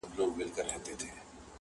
هی توبه چي ورور له ورور څخه پردی سي،